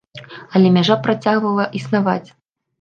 Але мяжа працягвала існаваць.